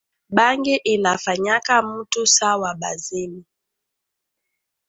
Bangi inafanyaka mutu sa wa bazimu